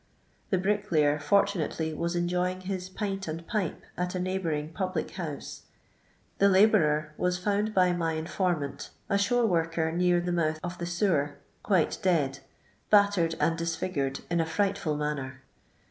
The brick layer fortunately was enjoying his "pint and pipe" at a neighbouring public house. The labourer waa found by my informant, a " shore worker," near the mouth of the sewer quite dead, battered, and disfigured in a frightful manner.